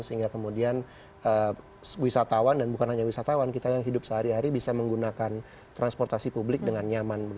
sehingga kemudian wisatawan dan bukan hanya wisatawan kita yang hidup sehari hari bisa menggunakan transportasi publik dengan nyaman